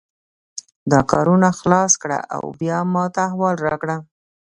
دا کارونه خلاص کړه او بیا ماته احوال راکړه